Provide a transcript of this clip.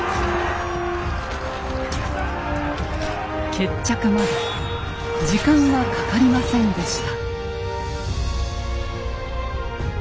決着まで時間はかかりませんでした。